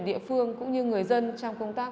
địa phương cũng như người dân trong công tác